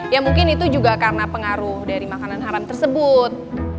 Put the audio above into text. ya mungkin itu juga karena pengaruh dari makanan haram tersebut